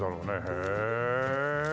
へえ。